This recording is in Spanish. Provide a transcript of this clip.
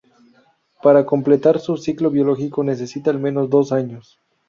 Para completar su ciclo biológico necesitan al menos dos años.